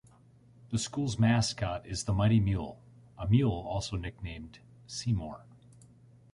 The school's mascot is the "Mighty Mule", a mule also nicknamed "Seymour".